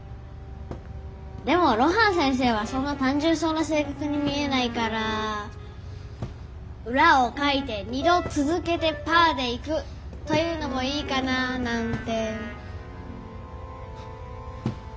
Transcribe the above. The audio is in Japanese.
でも露伴先生はそんな単純そうな性格に見えないからウラをかいて２度続けて「パー」で行くというのもいいかな？なんて。